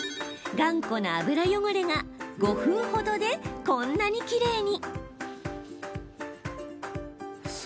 頑固な油汚れが５分ほどで、こんなにきれいに。